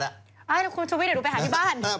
คุณชุวิตเดี๋ยวดูไปหาที่บ้าน